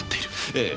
ええ。